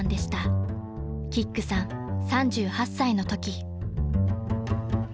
［キックさん３８歳のとき］